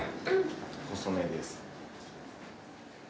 細めです。